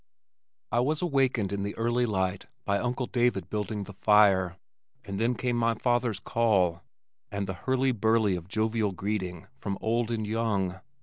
I was awakened in the early light by Uncle David building the fire, and then came my father's call, and the hurly burly of jovial greeting from old and young.